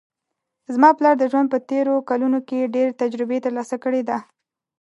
زما پلار د ژوند په تېرو کلونو کې ډېر تجربې ترلاسه کړې ده